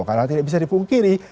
karena tidak bisa dipungkiri